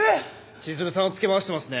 千鶴さんをつけ回してますね？